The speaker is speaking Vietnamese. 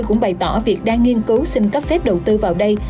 cũng bày tỏ việc đang nghiên cứu xin cấp phép đầu tư vào đây